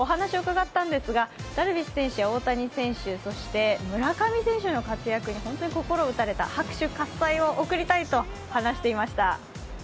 お話を伺ったんですが、ダルビッシュ選手や大谷選手、そして、村上選手の活躍に本当に心を打たれた、拍手喝采を送りたいと話していました。